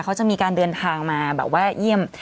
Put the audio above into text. เขาจะมีการเดินทางมาแบบว่าเยี่ยม